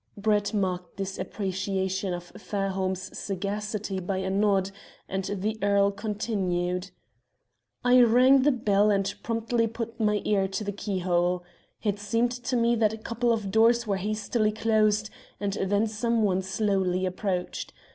Brett marked his appreciation of Fairholme's sagacity by a nod, and the earl continued "I rang the bell and promptly put my ear to the keyhole. It seemed to me that a couple of doors were hastily closed, and then someone slowly approached.